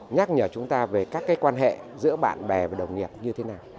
nhắc nhở chúng ta về các cái quan hệ giữa bạn bè và đồng nghiệp như thế nào